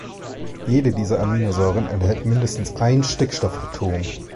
Jede dieser Aminosäuren enthält mindestens ein Stickstoff-Atom.